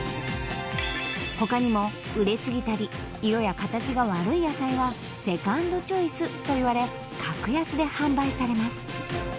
他にも熟れすぎたり色や形が悪い野菜はセカンドチョイスといわれ格安で販売されます